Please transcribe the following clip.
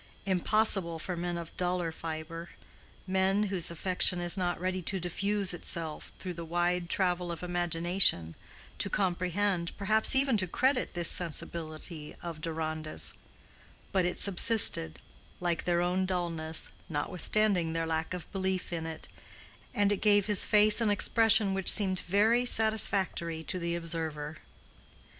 Impossible for men of duller fibre—men whose affection is not ready to diffuse itself through the wide travel of imagination, to comprehend, perhaps even to credit this sensibility of Deronda's; but it subsisted, like their own dullness, notwithstanding their lack of belief in it—and it gave his face an expression which seemed very satisfactory to the observer.